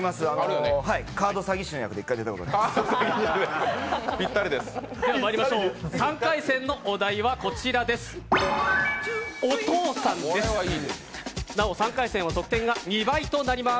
カード詐欺師の役で出たことあります。